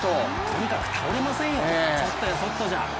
とにかく倒れませんよ、ちょっとやそっとじゃ。